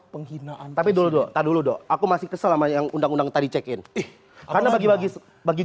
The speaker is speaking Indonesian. penghinaan tapi dulu dulu aku masih kesel yang undang undang tadi cekin karena bagi bagi bagi